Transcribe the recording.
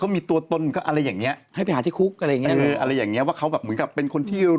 ไม่ว่าคนที่ฆ่าผัวคุณก็คือใคร